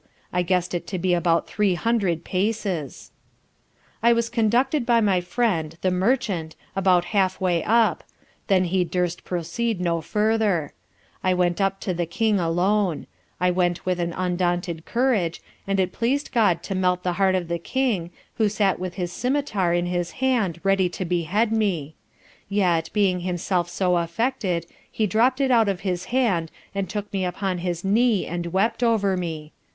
I guessed it to be about three hundred paces. I was conducted by my friend, the merchant, about half way up; then he durst proceed no further: I went up to the King alone I went with an undaunted courage, and it pleased God to melt the heart of the King, who sat with his scymitar in his hand ready to behead me; yet, being himself so affected, he dropped it out of his hand, and took me upon his knee and wept over me.